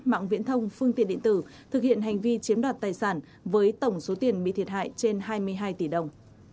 mạng viễn thông phương tiện điện tử thực hiện hành vi chiếm đoạt tài sản với tổng số tiền bị thiệt hại trên hai mươi hai tỷ đồng